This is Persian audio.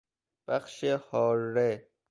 بخش حاره